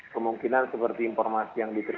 kemungkinan seperti informasi yang diterima